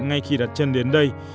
ngay khi đặt chân đến đây